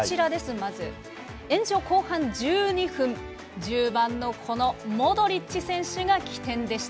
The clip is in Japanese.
延長後半１２分、１０番のモドリッチ選手が起点でした。